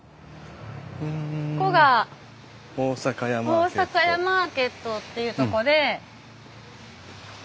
ここが大阪屋マーケットっていうとこで。